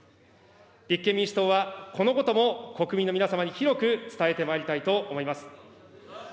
立憲民主党はこのことも国民の皆様に広く伝えてまいりたいと思います。